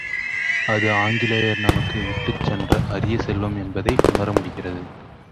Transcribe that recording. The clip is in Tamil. அது ஆங்கிலேயர் நமக்கு விட்டுச் சென்ற அரிய செல்வம் என்பதை உணர முடிகிறது.